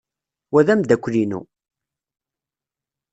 Wa d ameddakel-inu.